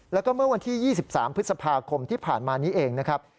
แล้วก็เมื่อวันที่๒๓พฤษภาคมที่ผ่านมานี้เองนะครับ